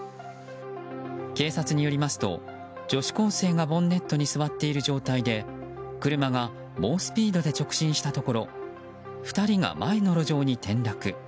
警察によりますと女子高生がボンネットに座っている状態で車が猛スピードで直進したところ２人が前の路上に転落。